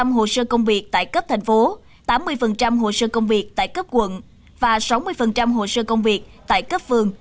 chín mươi hồ sơ công việc tại cấp thành phố tám mươi hồ sơ công việc tại cấp quận và sáu mươi hồ sơ công việc tại cấp phường